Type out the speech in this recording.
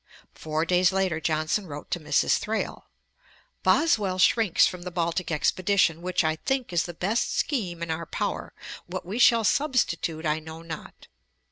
Four days later Johnson wrote to Mrs. Thrale: 'Boswell shrinks from the Baltick expedition, which, I think, is the best scheme in our power: what we shall substitute I know not.